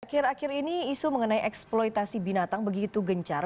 akhir akhir ini isu mengenai eksploitasi binatang begitu gencar